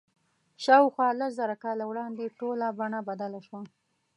شاوخوا لس زره کاله وړاندې ټوله بڼه بدله شوه.